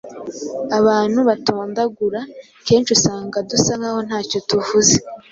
abantu batondagura. Kenshi usanga dusa nk’aho ntacyo tuvuze,